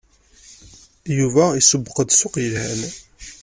Yuba isewweq-d ssuq yelhan.